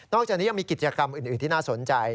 อกจากนี้ยังมีกิจกรรมอื่นที่น่าสนใจ